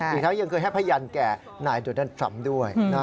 อีกครั้งยังเคยให้ผ้ายันแก่หน่ายโดยท่านทรัมป์ด้วย